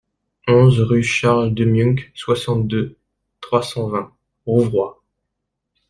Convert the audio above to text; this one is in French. onze rue Charles Demuynck, soixante-deux, trois cent vingt, Rouvroy